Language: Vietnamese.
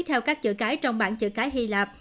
theo các chữ cái trong bản chữ cái hy lạp